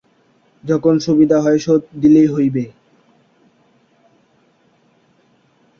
যখন সুবিধা হয় শােধ দিলেই হইবে।